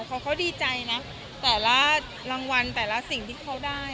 เขาดีใจนะแต่ละรางวัลแต่ละสิ่งที่เขาได้